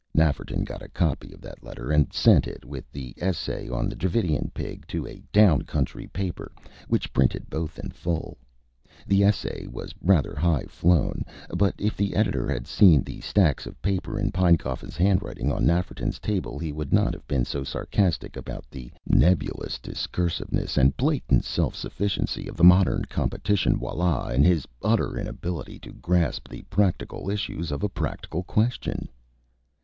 Nafferton got a copy of that letter, and sent it, with the essay on the Dravidian Pig, to a down country paper, which printed both in full. The essay was rather highflown; but if the Editor had seen the stacks of paper, in Pinecoffin's handwriting, on Nafferton's table, he would not have been so sarcastic about the "nebulous discursiveness and blatant self sufficiency of the modern Competition wallah, and his utter inability to grasp the practical issues of a practical question."